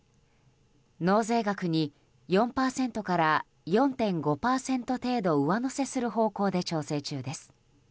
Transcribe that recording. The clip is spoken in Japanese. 納税額に４％から４．５％程度上乗せする方向で調整中です。